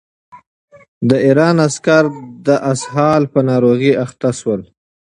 د ایران عسکر د اسهال په ناروغۍ اخته شول.